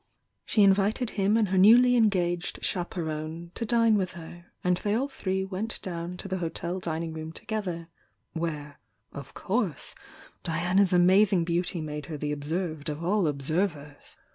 She invited him and her newly engaged chaperone to dine with her, and they all three went down to the hotel dining room to gether, where, of course, Diana's amazing beauty made her the observed of all observers.